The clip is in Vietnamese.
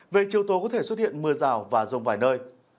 về chiều tối có thể xuất hiện mưa rào và rông vài nơi